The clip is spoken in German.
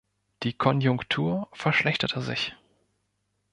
Die Konjunktur verschlechterte sich.